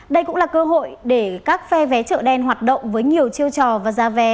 đây cũng là cơ hội để các phe vé chợ đen hoạt động với nhiều chiêu trò và giá vé